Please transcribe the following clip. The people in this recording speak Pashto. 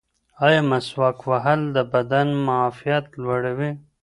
ایا مسواک وهل د بدن معافیت لوړوي؟